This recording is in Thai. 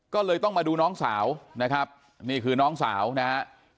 ก็เลยต้องมาดูน้องสาวนะครับนี่คือน้องสาวนะฮะ